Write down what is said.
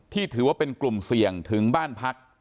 ถือว่าเป็นกลุ่มเสี่ยงถึงบ้านพัก